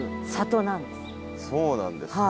そうなんですね